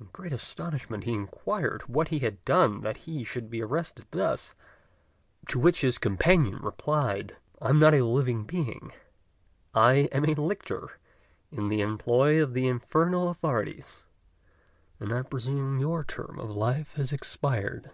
In great astonishment he inquired what he had done that he should be arrested thus; to which his companion replied, "I am not a living being: I am a lictor in the employ of the infernal authorities, and I presume your term of life has expired."